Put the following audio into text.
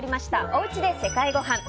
おうちで世界ごはん。